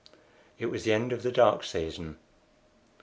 It was the end of the dark season.